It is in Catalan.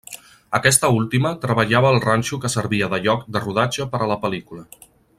Aquesta última treballava al ranxo que servia de lloc de rodatge per a la pel·lícula.